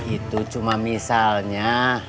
itu cuma misalnya